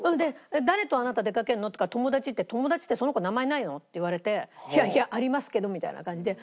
「誰とあなた出掛けるの？」って言うから「友達」って「“友達”ってその子名前ないの？」って言われて「いやいやありますけど」みたいな感じで。